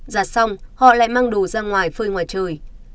giặt xong họ lại mang đồ ra ngoài phơi ngoài trời